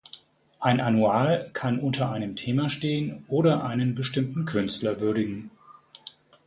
Ein Annual kann unter einem Thema stehen oder einen bestimmten Künstler würdigen.